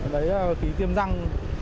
đấy là tí tiêm răng